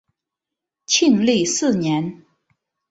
庆历四年。